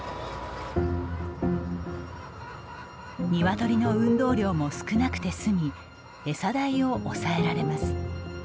鶏の運動量も少なくて済み餌代を抑えられます。